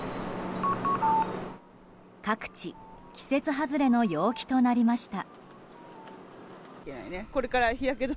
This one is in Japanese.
各地季節外れの陽気となりました。